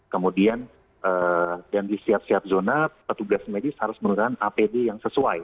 kemudian dan di setiap setiap zona petugas medis harus menggunakan apd yang sesuai